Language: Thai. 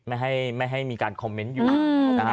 ไม่ให้มีการคอมเมนต์อยู่นะฮะ